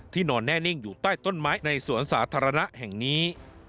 นอนแน่นิ่งอยู่ใต้ต้นไม้ในสวนสาธารณะแห่งนี้